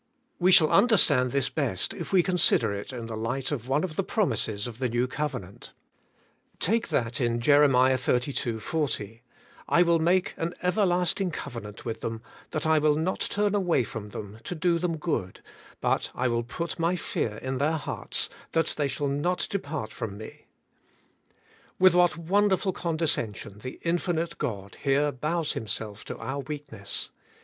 We shall understand this best if we consider it in the light of one of the promises of the New Covenant. AS THE SURETY OF THE COVENANT. 225 Take that in Jer. xxxii. Jfi: *I will make an everlast ing covenant with them, that / will not turn away from them., to do them good ; but I will put my fear in their hearts, that fhey shall not depart from me,'* With what wonderful condescension the infinite God here bows Himself to our weakness!